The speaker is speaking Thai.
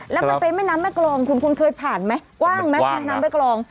แล้วมันเป็นแม่น้ำแม่กรองคุณคุณเคยผ่านไหมกว้างไหมเป็นน้ำแม่กรอง